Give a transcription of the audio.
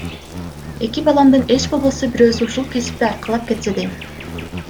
Эки баламдын эч болбосо бирөөсү ушул кесипти аркалап кетсе дейм.